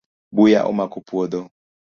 Buya omako puodho